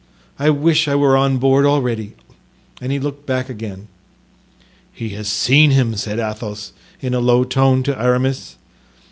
I wish I were on board already," and he looked back again. "He has seen him," said Athos, in a low tone, to Aramis.